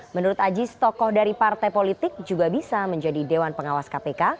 menurut ajis tokoh dari partai politik juga bisa menjadi dewan pengawas kpk